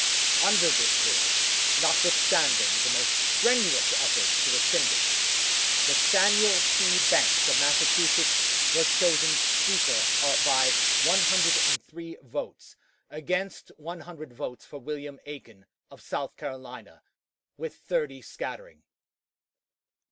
Under this rule, notwithstanding the most strenuous efforts to rescind it, Nathaniel P. Banks, of Massachusetts, was chosen Speaker by 103 votes, against 100 votes for William Aiken, of South Carolina, with thirty scattering.